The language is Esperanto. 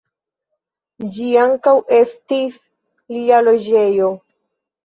Ĝi ankaŭ estis lia loĝejo.